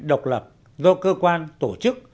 độc lập do cơ quan tổ chức